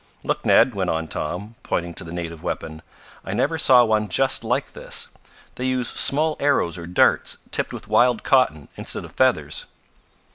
"Look, Ned," went on Tom, pointing to the native weapon. "I never saw one just like this. They use small arrows or darts, tipped with wild cotton, instead of feathers."